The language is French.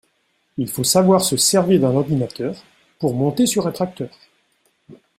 Il faut savoir se servir d’un ordinateur pour monter sur un tracteur.